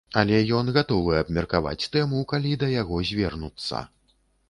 Але ён гатовы абмеркаваць тэму, калі да яго звернуцца.